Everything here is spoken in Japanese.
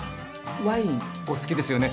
ワインお好きですよね？